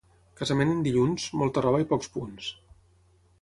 Casament en dilluns, molta roba i pocs punts.